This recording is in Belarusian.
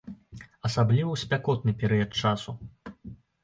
Асабліва ў спякотны перыяд часу.